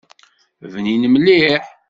Bnin mliḥ!